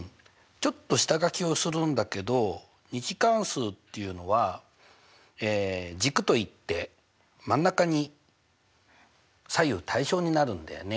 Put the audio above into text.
ちょっと下がきをするんだけど２次関数っていうのは軸といって真ん中に左右対称になるんだよね。